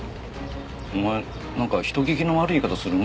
お前なんか人聞きの悪い言い方するね。